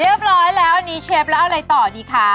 เรียบร้อยแล้วอันนี้เชฟแล้วเอาอะไรต่อดีคะ